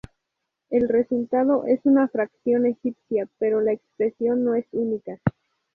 El resultado es una fracción egipcia, pero la expresión no es única.